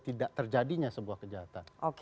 tidak terjadinya sebuah kejahatan